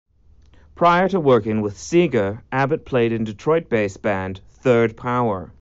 Prior to working with Seger, Abbott played in Detroit-based band Third Power.